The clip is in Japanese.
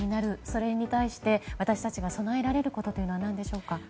それに対して私たちが備えられることは何でしょうか。